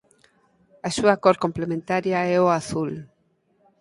A súa cor complementaria é o azul.